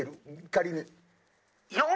仮に。